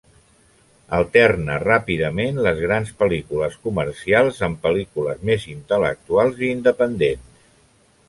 Alterna ràpidament les grans pel·lícules comercials amb pel·lícules més intel·lectuals i independents.